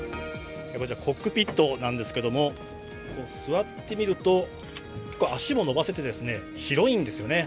こちらコックピットなんですけれども、座ってみると足も伸ばせて広いんですよね。